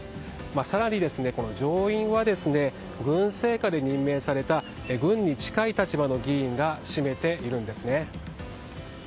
更に、上院は軍政下で任命された軍に近い立場の議員が占めているんですね。